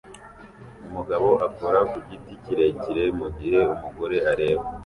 Umugabo akora ku giti kirekire mugihe umugore areba